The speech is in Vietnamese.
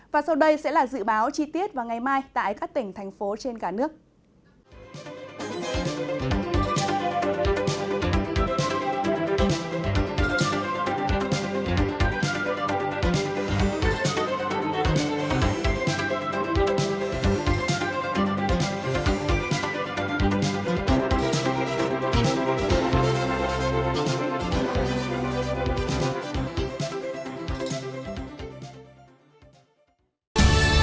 và sau đây sẽ là dự báo chi tiết vào ngày mai tại các tỉnh thành phố trên cả nước